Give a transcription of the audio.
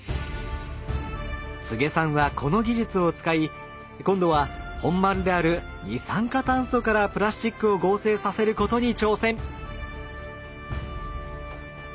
柘植さんはこの技術を使い今度は本丸である二酸化炭素からプラスチックを合成させることに挑戦！